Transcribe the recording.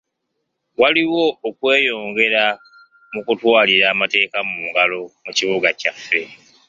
Waliwo okweyongera mu kutwalira amateeka mu ngalo mu kibuga kyaffe.